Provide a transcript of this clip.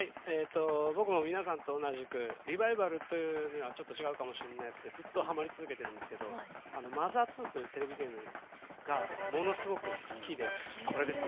僕も皆さんと同じくリバイバルというのはちょっと違うかもしれなくてずっとはまり続けてるんですけど「ＭＯＴＨＥＲ２」というテレビゲームがものすごく好きで。